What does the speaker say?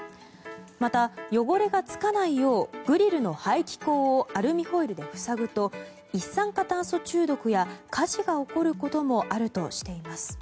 また、汚れが付かないようグリルの排気口をアルミホイルで塞ぐと一酸化炭素中毒や火事が起こることもあるとしています。